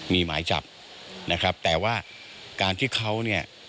มีหมายจับนะครับแต่ว่าการที่เขาเนี่ย